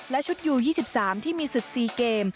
และชุดยู๒๓ที่มีศึก๔เกม